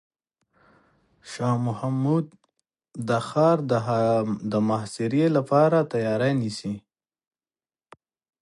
شاه محمود د ښار د محاصرې لپاره تیاری نیسي.